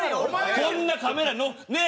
こんなカメラねえ！